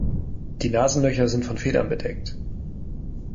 Die Nasenlöcher sind von Federn bedeckt.